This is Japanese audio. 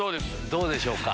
どうでしょうか？